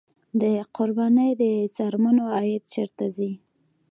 د قربانۍ د څرمنو عاید چیرته ځي؟